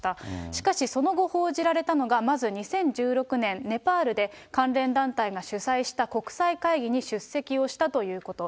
しかし、その後報じられたのが、まず２０１６年、ネパールで関連団体が主催した国際会議に出席をしたということ。